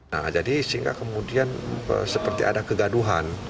nah jadi sehingga kemudian seperti ada kegaduhan